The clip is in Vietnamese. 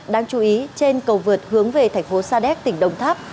đáng chú ý trên cầu vượt hướng về thành phố sa đéc tỉnh đồng tháp